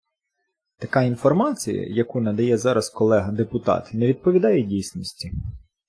Та інформація, яку надає зараз колега депутат, не відповідає дійсності.